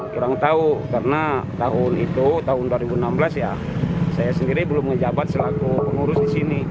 kurang tahu karena tahun itu tahun dua ribu enam belas ya saya sendiri belum menjabat selaku pengurus di sini